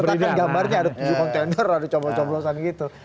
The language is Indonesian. tapi disertakan gambarnya ada tujuh kontainer ada coblosan coblosan gitu